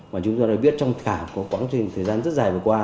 mà chúng ta đã biết trong cả có quá trình thời gian rất dài vừa qua